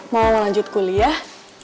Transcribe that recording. mau lanjut kuliah